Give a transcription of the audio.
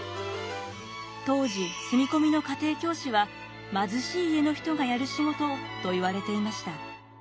当時住み込みの家庭教師は貧しい家の人がやる仕事といわれていました。